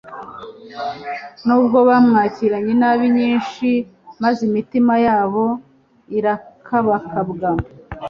nubwo bamwakiranye inabi nyinshi, maze imitima yabo irakabakabwa.